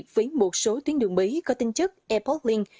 với một số tuyến đường mới có tinh chất airport link